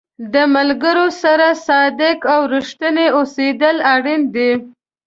د ملګرو سره صادق او رښتینی اوسېدل اړین دي.